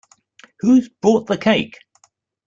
Who's brought the cake?